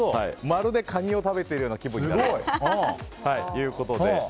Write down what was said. まるでカニを食べてるような気分になるということで。